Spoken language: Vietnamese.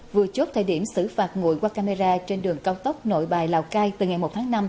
vừa chốt thời điểm xử phạt ngụy qua camera trên đường cao tốc nội bài lào cai từ ngày một tháng năm